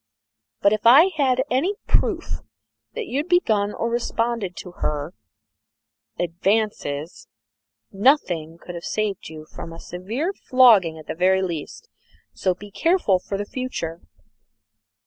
But if I had had any proof that you had begun or responded to her hem advances, nothing could have saved you from a severe flogging at the very least so be careful for the future."